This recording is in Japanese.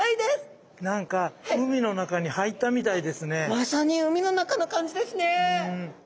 まさに海の中の感じですね。